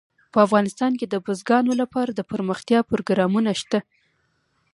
په افغانستان کې د بزګانو لپاره دپرمختیا پروګرامونه شته.